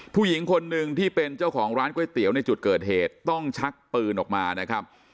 ผู้หญิงคนหนึ่งที่เป็นเจ้าของร้านก๋วยเตี๋ยวในจุดเกิดเหตุต้องชักปืนออกมานะครับ